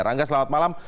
rangga selamat malam